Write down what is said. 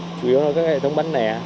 chủ yếu là các hệ thống bán nẻ